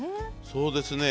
そうですね